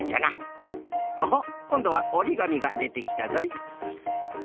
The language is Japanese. おっこんどはおりがみがでてきたぞい。